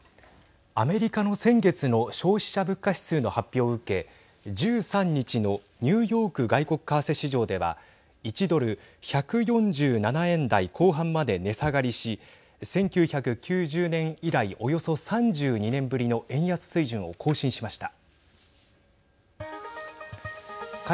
アメリカの先月の消費者物価指数の発表を受け１３日のニューヨーク外国為替市場では１ドル＝１４７円台後半まで値下がりし１９９０年以来、およそ３２年ぶりの円安水準を更新しました。